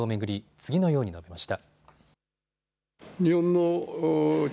次のように述べました。